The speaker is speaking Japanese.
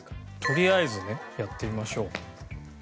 とりあえずねやってみましょう。